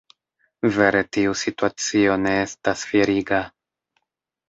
Vere tiu situacio ne estas fieriga.